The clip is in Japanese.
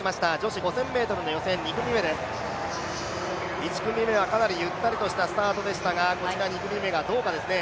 １組目はかなりゆったりとしたスタートでしたが、２組目がどうかですね。